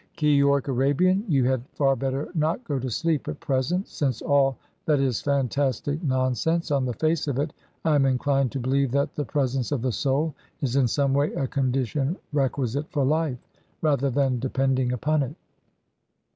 Keyork Arabian, you had far better not go to sleep at present. Since all that is fantastic nonsense, on the face of it, I am inclined to believe that the presence of the soul is in some way a condition requisite for life, rather than depending upon it.